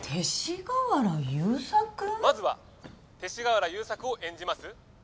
まずは勅使河原優作を演じます